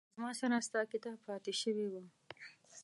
زما سره ستا کتاب پاتې شوي وه